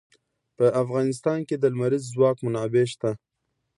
په افغانستان کې د لمریز ځواک منابع شته.